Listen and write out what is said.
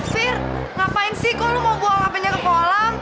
fir ngapain sih gue lo mau buang apinya ke kolam